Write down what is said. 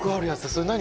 それ何？